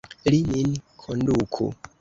Li nin konduku!